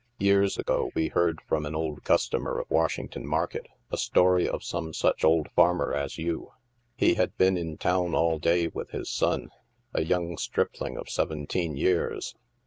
Years ago we heard from an old customer of Washington Market a story of some such old farmer as you. He had been in town all day with his son, a young stripling of seven teen years.